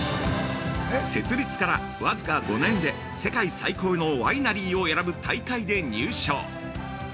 ◆設立から僅か５年で世界最高のワイナリーを選ぶ大会で入賞。